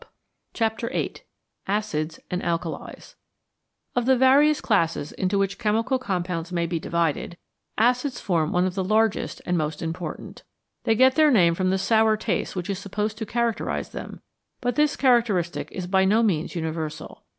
81 CHAPTER VIII ACIDS AND ALKALIS OF the various classes into which chemical com pounds may be divided, acids form one of the largest and most important. They get their name from the sour taste which is supposed to characterise them, but this characteristic is by no means universal.